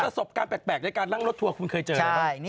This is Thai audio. ประสบการณ์แปลกในการนั่งรถทัวร์คุณเคยเจอไหม